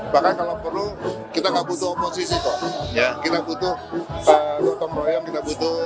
bahkan kalau perlu kita nggak butuh oposisi kok kita butuh gotong royong kita butuh